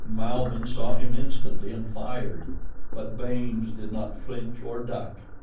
Malbihn saw him instantly and fired; but Baynes did not flinch or duck.